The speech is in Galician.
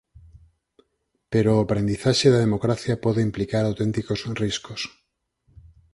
Pero o aprendizaxe da democracia pode implicar auténticos riscos.